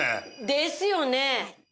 ですよね！